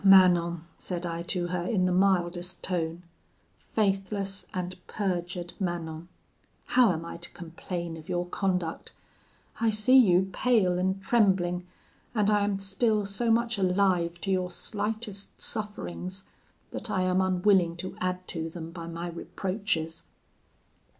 Manon,' said I to her in the mildest tone, 'faithless and perjured Manon! How am I to complain of your conduct? I see you pale and trembling, and I am still so much alive to your slightest sufferings, that I am unwilling to add to them by my reproaches.